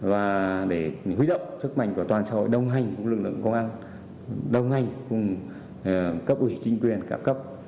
và để huy động sức mạnh của toàn xã hội đồng hành cùng lực lượng công an đồng hành cùng cấp ủy chính quyền các cấp